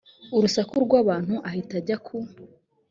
urusaku rw abantu ahita ajya ku